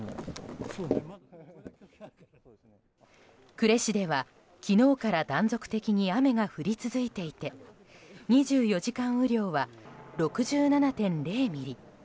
呉市では昨日から断続的に雨が降り続いていて２４時間雨量は６７．０ミリ。